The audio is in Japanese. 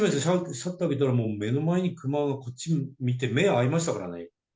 シャッターを開けたら、目の前にクマがこっち見て、目合いましたからね。